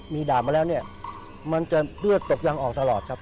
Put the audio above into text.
มีดาบมาแล้วเนี่ยมันจะเลือดตกยังออกตลอดครับ